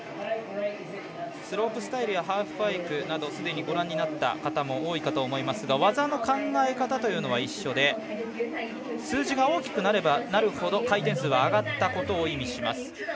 スロープスタイルやハーフパイプなどもすでにご覧になった方も多いかと思いますが技の考え方というのは一緒で数字が大きくなればなるほど回転数は上がったことを意味します。